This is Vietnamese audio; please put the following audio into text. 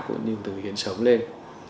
cũng như từ người hiến sống lên